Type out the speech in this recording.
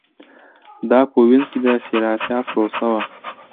دا په وینز کې د سېراتا پروسه وه